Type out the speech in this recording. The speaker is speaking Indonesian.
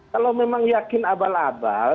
kalau memang yakin abal abal